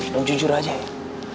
dan jujur aja ya